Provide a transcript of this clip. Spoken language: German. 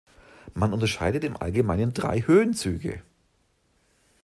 Man unterscheidet im Allgemeinen drei Höhenzüge.